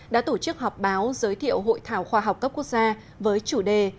đã tổ chức họp báo giới thiệu hội thảo khoa học cấp quốc gia với chủ đề